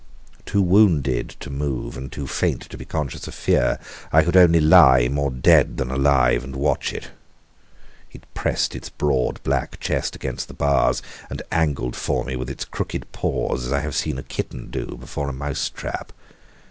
Too wounded to move, and too faint to be conscious of fear, I could only lie, more dead than alive, and watch it. It pressed its broad, black chest against the bars and angled for me with its crooked paws as I have seen a kitten do before a mouse trap.